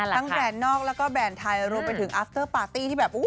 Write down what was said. แบรนด์นอกแล้วก็แบรนด์ไทยรวมไปถึงอัฟเตอร์ปาร์ตี้ที่แบบ